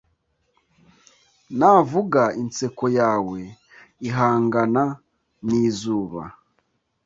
Navuga inseko yawe Ihangana nizuba